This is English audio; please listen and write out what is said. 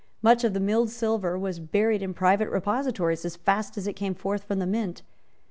Much of the milled silver was buried in private repositories as fast as it came forth from the Mint.